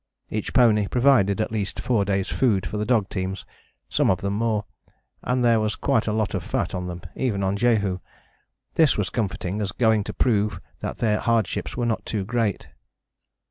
Each pony provided at least four days' food for the dog teams, some of them more, and there was quite a lot of fat on them even on Jehu. This was comforting, as going to prove that their hardships were not too great.